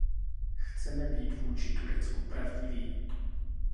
Chceme být vůči Turecku pravdiví.